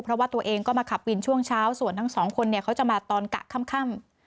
เพราะว่าตัวเองก็มาขับวินช่วงเช้า